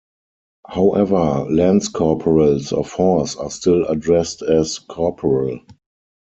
However, lance corporals of horse are still addressed as "Corporal".